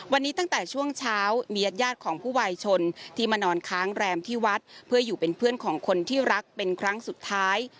วันนี้ตั้งแต่ช่วงเช้ามีญาติของผู้วายชนที่มานอนค้างแรมที่วัดเพื่ออยู่เป็นเพื่อนของคนที่รักเป็นครั้งสุดท้าย